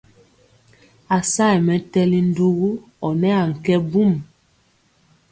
A sayɛ mɛtɛli ndugu ɔ nɛ ankɛ mbum.